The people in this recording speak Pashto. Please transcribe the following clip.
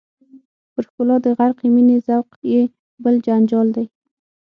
پر ښکلا د غرقې مینې ذوق یې بل جنجال دی.